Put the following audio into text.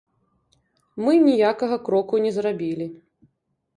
Мы ніякага кроку не зрабілі.